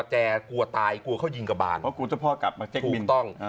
แจกลัวตายกลัวเข้ายิงกับบ้านเพราะกูเจ้าพ่อกลับมาเจ็กบิน